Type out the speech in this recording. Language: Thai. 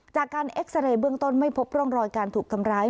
จากการเอ็กซาเรย์เบื้องต้นไม่พบร่องรอยการถูกทำร้าย